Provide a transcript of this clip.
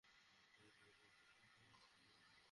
এগুলো এবং অন্যান্য পানপাত্র যেন স্বর্ণ দ্বারা নির্মিত হয়।